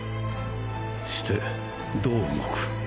してどう動く。